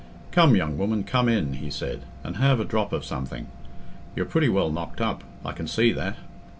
"Come, young woman, come in," he said, "and have a drop o' something; you're pretty well knocked up, I can see that."